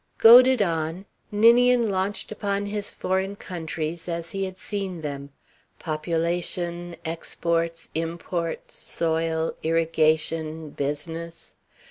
Goaded on, Ninian launched upon his foreign countries as he had seen them: Population, exports, imports, soil, irrigation, business.